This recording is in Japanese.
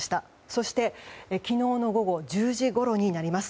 そして、昨日の午後１０時ごろになります。